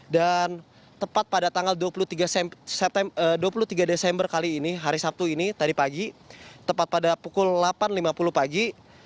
dan tepat pada tanggal dua puluh tiga desember kali ini hari sabtu ini tadi pagi tepat pada pukul delapan lima puluh pagi